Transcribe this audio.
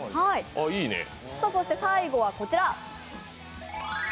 そして最後はこちら。